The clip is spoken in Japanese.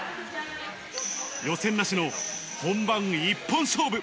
予選なしの本番一本勝負。